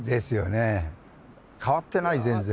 変わってない全然！